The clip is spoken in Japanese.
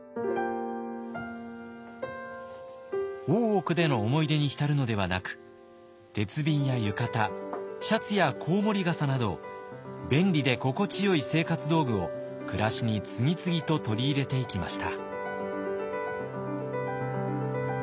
大奥での思い出に浸るのではなく鉄瓶や浴衣シャツやこうもり傘など便利で心地よい生活道具を暮らしに次々と取り入れていきました。